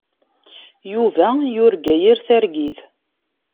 Yuba yurga yir targit.